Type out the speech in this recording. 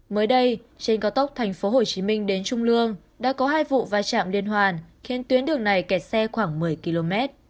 mới đây trên cao tốc tp hcm đến trung lương đã có hai vụ vai trạm liên hoàn khiến tuyến đường này kẹt xe khoảng một mươi km